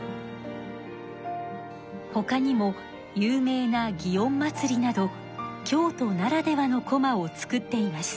ほかにも有名な園祭など京都ならではのこまを作っています。